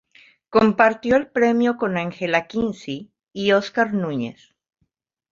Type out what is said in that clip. Compartió el premio con Angela Kinsey y Óscar Núñez.